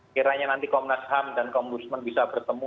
kiranya nanti komnas ham dan komunisman bisa bertemu